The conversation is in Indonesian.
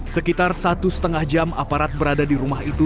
sekitar satu lima jam aparat berada di rumah itu